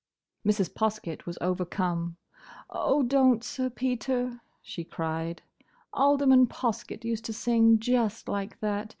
Mrs. Poskett was overcome. "Oh, don't, Sir Peter," she cried. "Alderman Poskett used to sing just like that.